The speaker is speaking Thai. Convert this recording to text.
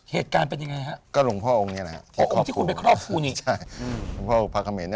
หลวงพ่อองค์พระเคมเหน่